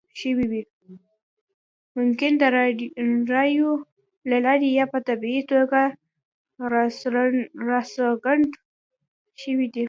ممکن د رایو له لارې یا په طبیعي توګه راڅرګند شوی وي.